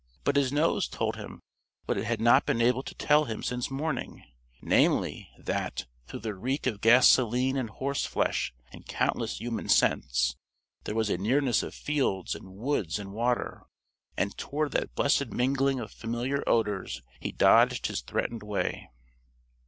But his nose told him what it had not been able to tell him since morning namely, that, through the reek of gasoline and horseflesh and countless human scents, there was a nearness of fields and woods and water. And, toward that blessed mingling of familiar odors he dodged his threatened way.